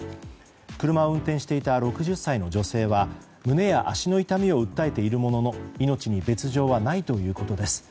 車を運転していた６０歳の女性は胸や足の痛みを訴えているものの命に別条はないということです。